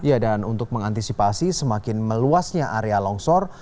ya dan untuk mengantisipasi semakin meluasnya area longsor